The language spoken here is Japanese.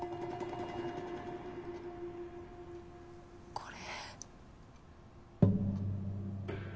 これ。